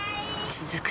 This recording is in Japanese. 続く